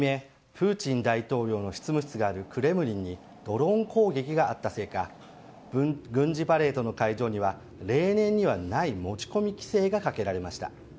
プーチン大統領の執務室のがあるクレムリンにドローン攻撃があったせいか軍事パレードの会場には例年にはない持ち込み規制がかけられました。